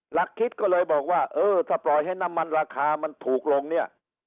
หลักคิดก็เลยบอกว่าเออถ้าปล่อยให้น้ำมันราคามันถูกลงเนี่ย